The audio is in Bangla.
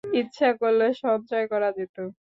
ইচ্ছা করলে সঞ্চয় করা যেত।